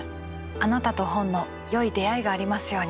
あなたと本のよい出会いがありますように。